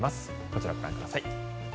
こちらご覧ください。